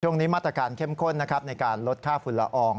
ช่วงนี้มาตรการเข้มข้นในการลดค่าฝุ่นละออง